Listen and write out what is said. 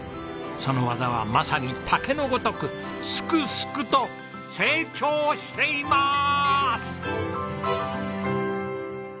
その技はまさに竹のごとくスクスクと成長していまーす！